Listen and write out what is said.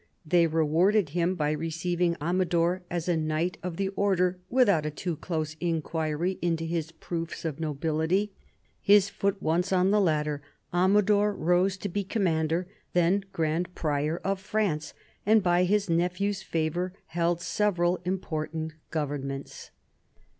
They rewarded him by receiving Amador as a Knight of the Order, without a too close inquiry into his proofs of nobility. His foot once on the ladder, Amador rose to be Commander, then Grand Prior of France, and by his nephew's favour held several important governments.